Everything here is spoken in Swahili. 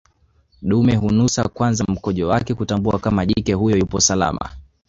Dume hunusa kwanza mkojo wake kutambua kama jike huyo yupo salama